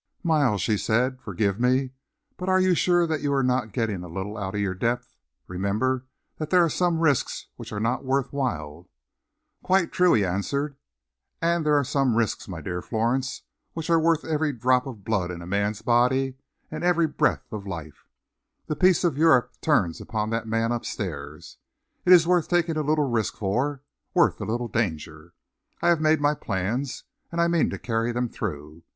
"Miles," she said, "forgive me, but are you sure that you are not getting a little out of your depth? Remember that there are some risks which are not worth while." "Quite true," he answered. "And there are some risks, my dear Florence, which are worth every drop of blood in a man's body, and every breath of life. The peace of Europe turns upon that man up stairs. It is worth taking a little risk for, worth a little danger. I have made my plans, and I mean to carry them through.